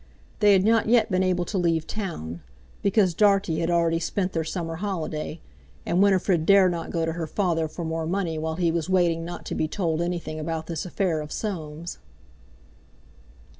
They had not yet been able to leave town, because Dartie had already spent their summer holiday, and Winifred dared not go to her father for more money while he was waiting not to be told anything about this affair of Soames.